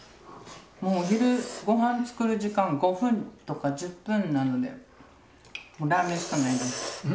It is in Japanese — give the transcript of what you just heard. もうお昼ご飯を作る時間５分とか１０分なのでもうラーメンしかないね。